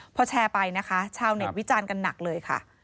พอแชร์ไปนะคะชาวเน็ตวิจารณ์กันหนักเลยค่ะ